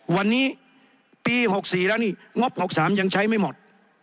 วันนี้ปี๖๔แล้วนี่งบ๖๓ยังใช้ไม่หมด